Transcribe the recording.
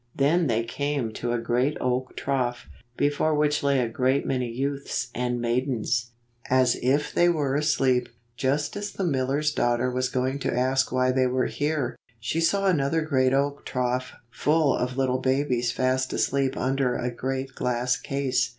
Then they came to a great oak trough, before which lay a great many youths and maidens, as 23 if they were asleep. Just as the miller's daugh ter was going to ask why they were here, she saw another great oak trough full of little babies fast asleep under a great glass case.